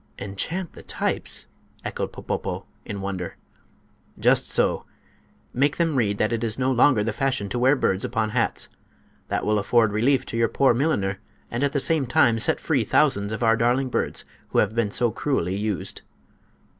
"Enchant the types!" echoed Popopo, in wonder. "Just so. Make them read that it is no longer the fashion to wear birds upon hats. That will afford relief to your poor milliner and at the same time set free thousands of our darling birds who have been so cruelly used."